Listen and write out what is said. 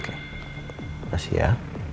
terima kasih ya